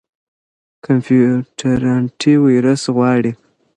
کمپيوټر انټيويروس غواړي.